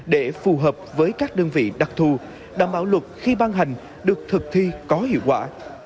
để phù hợp với các đơn vị đặc thù đảm bảo luật khi ban hành được thực thi có hiệu quả